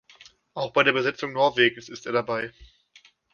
Auch bei der Besetzung Norwegens ist er dabei.